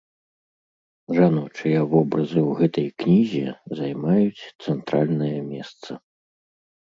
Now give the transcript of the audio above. Жаночыя вобразы ў гэтай кнізе займаюць цэнтральнае месца.